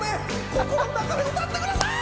心の中で歌ってください！